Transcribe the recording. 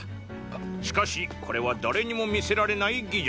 しかしこれは誰にも見せられない技術。